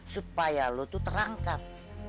supaya lo tuh terangkap